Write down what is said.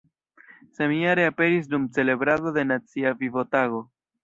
Samjare aperis dum celebrado de Nacia Vivo-Tago.